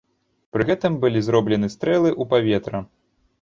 Пры гэтым былі зроблены стрэлы ў паветра.